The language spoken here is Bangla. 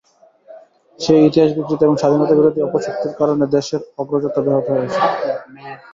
সেই ইতিহাস বিকৃতি এবং স্বাধীনতাবিরোধী অপশক্তির কারণে দেশের অগ্রযাত্রা ব্যাহত হয়েছে।